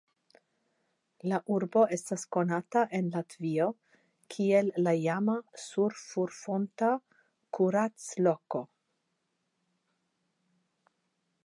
La urbo estas konata en Latvio kiel la iama sulfurfonta kuracloko.